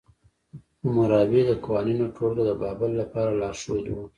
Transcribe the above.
حموربي د قوانینو ټولګه د بابل لپاره لارښود وه.